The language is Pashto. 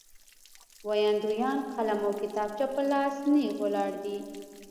ویاندویان قلم او کتابچه په لاس نېغ ولاړ دي.